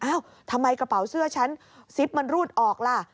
ทำไมกระเป๋าเสื้อฉันซิปมันรูดออกล่ะ